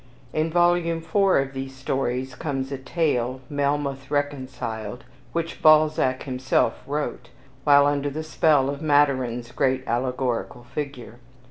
In Volume IV of these stories comes a tale, "Melmoth Reconciled," which Balzac himself wrote, while under the spell of Maturin's "great allegorical figure."